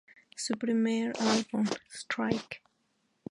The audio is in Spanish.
Su primer álbum, "Strike!